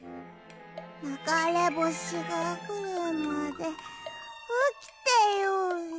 ながれぼしがくるまでおきてようね。